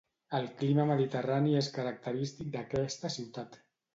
El clima mediterrani és característic d'aquesta ciutat.